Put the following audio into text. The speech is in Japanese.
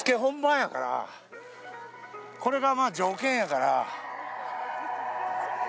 これがまぁ条件やから。